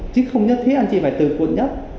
chứ không nhất thiết anh chị phải từ cuộn nhất